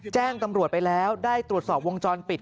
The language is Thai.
แจ้งตำรวจไปแล้วได้ตรวจสอบวงจรปิด